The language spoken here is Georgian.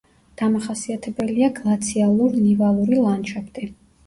დამახასიათებელია გლაციალურ-ნივალური ლანდშაფტი.